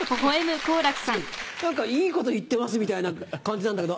何かいいこと言ってますみたいな感じなんだけど。